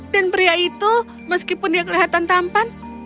dan pria itu meskipun dia kelihatan tampan